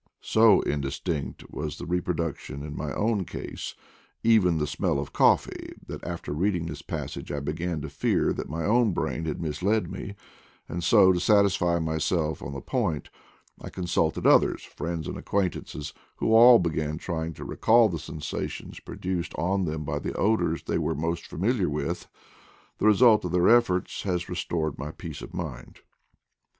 ' So indistinct was the repro duction in my own case, even of the smell of coffee, that after reading this passage I began to fear that my own brain had misled me, and so, to sat isfy myself on the point, I consulted others, friends and acquaintances, who all began trying to recall the sensations produced on them by the odors they were most familiar with. The result of their PEEFUME OF AN EVENING PRIMROSE 241 efforts lias restored my peace of mind.